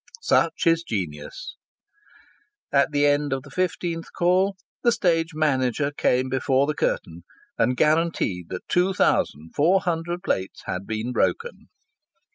Such is genius. At the end of the fifteenth call the stage manager came before the curtain and guaranteed that two thousand four hundred plates had been broken.